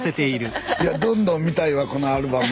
いやどんどん見たいわこのアルバム。